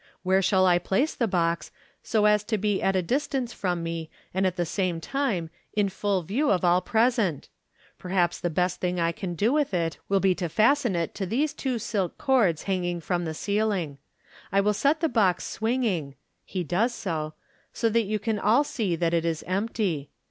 Where shall I place the box, so as to be at a distance from me, and at the same time in full view of all present ? Perhaps the best thing I can do with it will be to fasten it to these two silk cords hanging from the ceiling. I will set the box swinging" (he does so), "so that you can all see that it is empty.